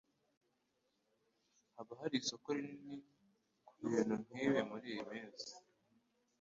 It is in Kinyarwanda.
Haba hari isoko rinini kubintu nkibi muriyi minsi?